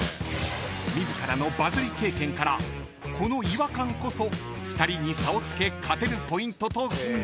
［自らのバズり経験からこの違和感こそ２人に差をつけ勝てるポイントと踏んだ］